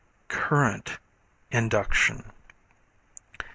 Current Induction.